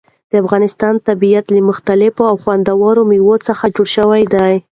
د افغانستان طبیعت له مختلفو او خوندورو مېوو څخه جوړ شوی دی.